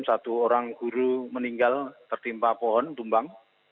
satu orang guru meninggal tertimpa pohon tumbang